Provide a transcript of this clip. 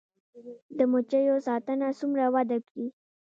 د مچیو ساتنه څومره وده کړې؟